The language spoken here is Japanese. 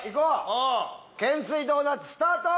懸垂ドーナツスタート！